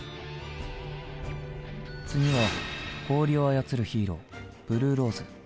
次は氷を操るヒーローブルーローズ。